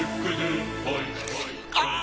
ああ！